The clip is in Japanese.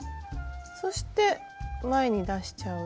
そして前に出しちゃう。